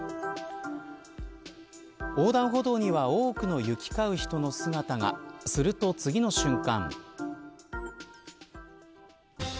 横断歩道には多くの行き交う人の姿がすると、次の瞬間。